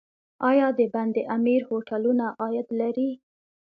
آیا د بند امیر هوټلونه عاید لري؟